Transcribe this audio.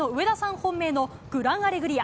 本命のグランアレグリア。